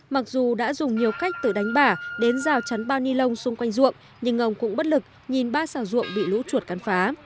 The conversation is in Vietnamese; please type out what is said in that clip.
mặc dù đã dùng nhiều cách từ đánh bả đến rào chắn bao ni lông xung quanh ruộng nhưng ông cũng bất lực nhìn ba xào ruộng bị lũ chuột cắn phá